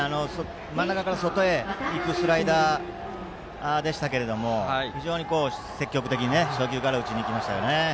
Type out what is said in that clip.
真ん中から外へ行くスライダーでしたが非常に積極的に初球から打ちに行きましたね。